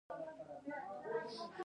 د پملا د خپرونو ساحه ډیره پراخه ده.